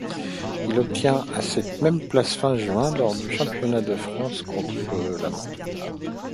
Il obtient cette même place fin juin lors du championnat de France de contre-la-montre.